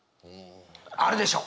あるでしょ？